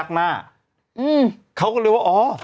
ดื่มน้ำก่อนสักนิดใช่ไหมคะคุณพี่